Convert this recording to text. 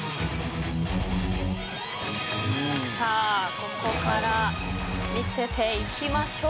ここから見せていきましょう。